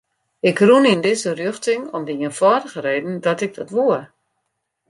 Ik rûn yn dizze rjochting om de ienfâldige reden dat ik dat woe.